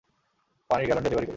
পানির gallon delivery করি।